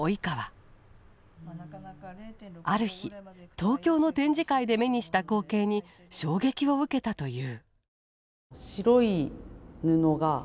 ある日東京の展示会で目にした光景に衝撃を受けたという。